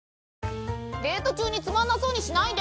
デート中につまんなそうにしないで！